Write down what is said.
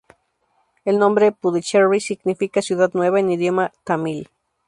El nombre "Puducherry" significa "Ciudad Nueva" en idioma tamil.